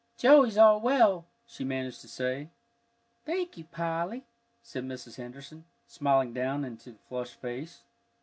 "Joey's all well," she managed to say. "Thank you, Polly," said Mrs. Henderson, smiling down into the flushed face.